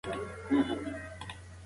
موږ بايد له فساد سره مبارزه وکړو.